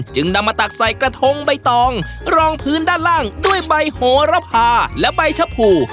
จึงนำมาตักใส่กระทงใบตองรองพื้นด้านล่างด้วยใบโหระพาและใบชะพู